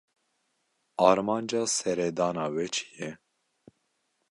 Armanca seredana we çi ye?